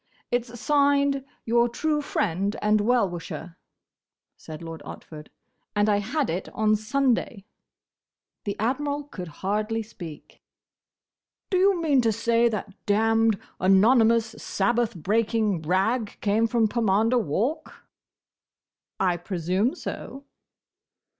"It's signed, 'Your true Friend and Well wisher,'" said Lord Otford, "and I had it on Sunday." The Admiral could hardly speak. "Do you mean to say that damned, anonymous, Sabbath breaking rag came from Pomander Walk?" "I presume so."